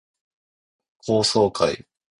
高層階